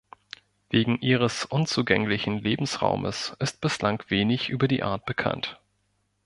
Wegen ihres unzugänglichen Lebensraumes ist bislang wenig über die Art bekannt.